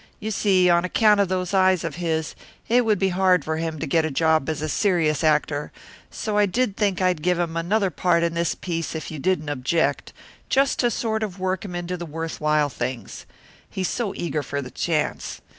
You see, on account of those eyes of his, it would be hard for him to get a job as a serious actor, so I did think I'd give him another part in this piece if you didn't object, just to sort of work him into the worth while things. He's so eager for the chance.